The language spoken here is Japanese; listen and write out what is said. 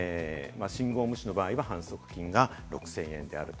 例えば信号無視の場合は反則金が６０００円です。